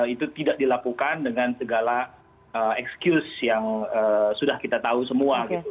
itu tidak dilakukan dengan segala excuse yang sudah kita tahu semua gitu